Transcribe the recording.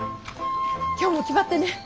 今日も気張ってね！